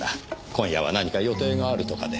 今夜は何か予定があるとかで。